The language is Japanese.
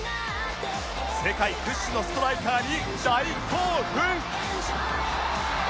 世界屈指のストライカーに大興奮